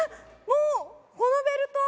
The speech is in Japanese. もうこのベルト！